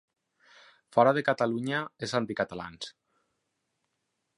Fora de Catalunya els anticatalans!